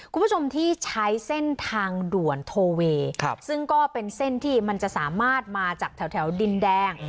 คุณผู้ชมที่ใช้เส้นทางด่วนโทเวซึ่งก็เป็นเส้นที่มันจะสามารถมาจากแถวดินแดง